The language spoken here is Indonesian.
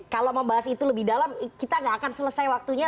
kalau membahas itu lebih dalam kita gak akan selesai waktunya